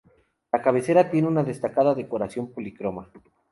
La cabecera tiene una destacada decoración policroma.